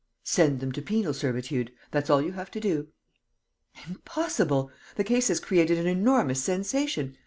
"Send them to penal servitude: that's all you have to do." "Impossible! The case has created an enormous sensation.